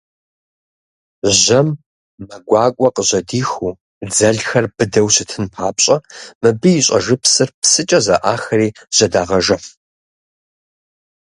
Жьэм мэ гуакӏуэ къыжьэдихыу, дзэлхэр быдэу щытын папщӏэ, мыбы и щӏэжыпсыр псыкӏэ зэӏахри жьэдагъэжыхь.